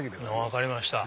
分かりました。